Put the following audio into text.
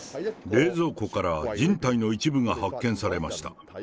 冷蔵庫から人体の一部が発見されました。